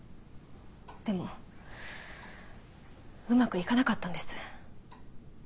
でもうまく行かなかったんです。